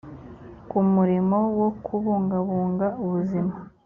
ku murimo wo kubungabunga ubuzima